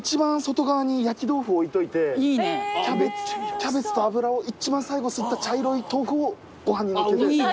キャベツと脂を一番最後吸った茶色い豆腐をご飯に載っけて。